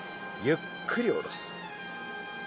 ゆっくり下ろす。